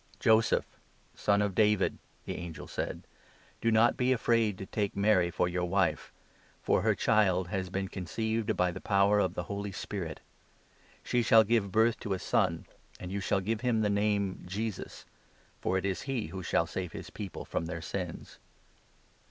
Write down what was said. "Joseph, son of David," the angel said, "do not be afraid to take Mary for your wife, for her child has been conceived by the power of the Holy Spirit. She shall give birth to a son ; 21 and you shall give him the name Jesus, for it is he who shall save his people from their sins."